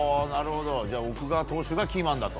じゃあ奥川投手がキーマンだと。